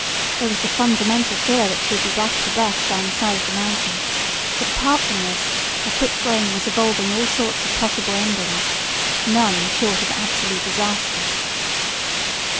There was the fundamental fear that she would be dashed to death down the side of the mountain, but apart from this her quick brain was evolving all sorts of possible endings none short of absolute disaster.